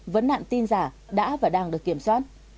vấn nạn tin giả đã và đang được kiểm soát